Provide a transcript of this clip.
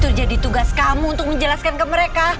itu jadi tugas kamu untuk menjelaskan ke mereka